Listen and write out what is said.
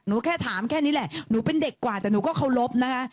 แค่ถามแค่นี้แหละหนูเป็นเด็กกว่าแต่หนูก็เคารพนะคะ